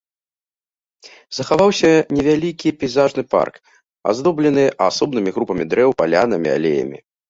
Захаваўся невялікі пейзажны парк, аздоблены асобнымі групамі дрэў, палянамі, алеямі.